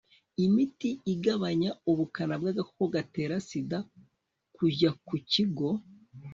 imiti igabanya ubukana bw agakoko gatera SIDA kujya ku kigo